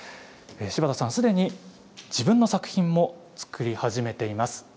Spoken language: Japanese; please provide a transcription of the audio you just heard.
柴田さん、すでに自分の作品も作り始めています。